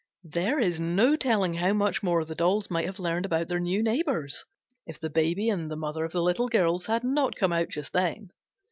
There is no telling how much more the dolls might have learned about their new neighbors, if the Baby and the mother of the Little Girls had not come out just then.